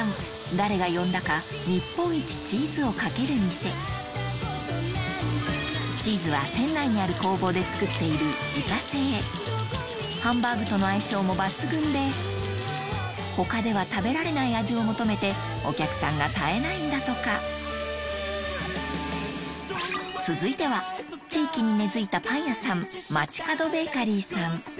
誰が呼んだか日本一チーズをかける店チーズは店内にある工房で作っている自家製ハンバーグとの相性も抜群で他では食べられない味を求めてお客さんが絶えないんだとか続いては地域に根付いたパン屋さんまちかどベーカリーさん